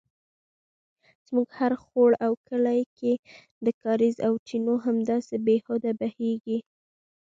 زموږ هر خوړ او کلي کې د کاریزو او چینو همداسې بې هوده بیهږي